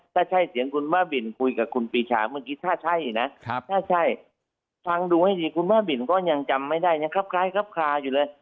ถ้าใช่เสียงคุณบ้าบินคุยกับคุณปีชาเมื่อกี้ถ้าใช่นะถ้าใช่ฟังดูให้ดีคุณบ้าบินก็ยังจำไม่ได้นะครับคล้ายครับคลาอยู่เลย